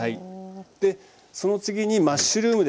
その次にマッシュルームです。